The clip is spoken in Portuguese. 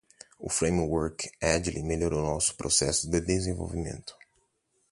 O Framework Agile melhorou nossos processos de desenvolvimento.